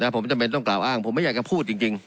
ผมจำเป็นต้องกล่าวอ้างผมไม่อยากจะพูดจริง